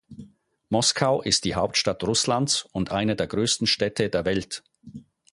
Moskau ist die Hauptstadt Russlands und eine der größten Städte der Welt.